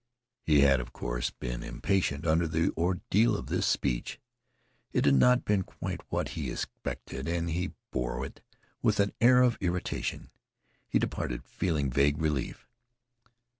He had, of course, been impatient under the ordeal of this speech. It had not been quite what he expected, and he had borne it with an air of irritation. He departed feeling vague relief.